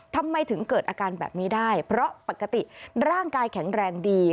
ทำไมถึงเกิดอาการแบบนี้ได้เพราะปกติร่างกายแข็งแรงดี